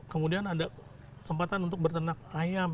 kemudian ada kesempatan untuk bertenak ayam